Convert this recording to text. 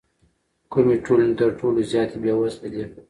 کومې ټولنې تر ټولو زیاتې بېوزله دي؟